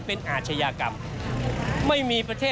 ส่วนต่างกระโบนการ